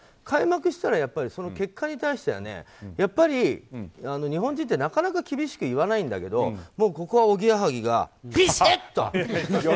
開幕したらやっぱりその結果に対してはやっぱり、日本人ってなかなか厳しく言わないんだけどここはおぎやはぎが、びしっと！